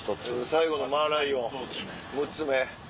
最後のマーライオン６つ目。